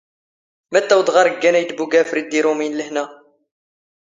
ⵎⴰⵜⵜⴰ ⵓⴷⵖⴰⵔ ⴳ ⴳⴰⵏ ⴰⵢⵜ ⴱⵓⴳⴰⴼⵔ ⴷ ⵉⵔⵓⵎⵉⵢⵏ ⵍⵀⵏⴰ?